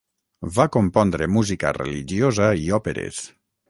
Va compondre música religiosa i òperes.